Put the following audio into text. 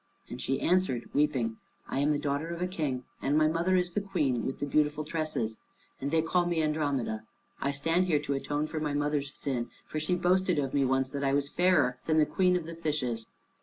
And she answered, weeping, "I am the daughter of a King, and my mother is the Queen with the beautiful tresses, and they call me Andromeda. I stand here to atone for my mother's sin, for she boasted of me once that I was fairer than the Queen of the Fishes.